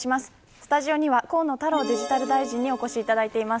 スタジオには河野太郎デジタル大臣にお越しいただいています。